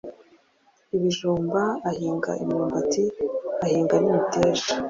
ibijumba, ahinga imyumbati, ahinga n’imiteja,